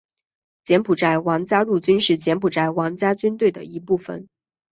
柬埔寨王家陆军是柬埔寨王家军队的一部分。